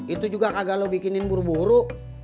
itu juga agak lo bikinin buru buru